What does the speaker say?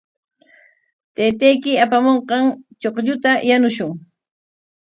Taytayki apamunqan chuqlluta yanushun.